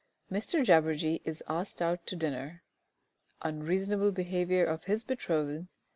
XV _Mr Jabberjee is asked out to dinner. Unreasonable behaviour of his betrothed.